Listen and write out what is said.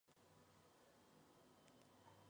El jueves al mediodía.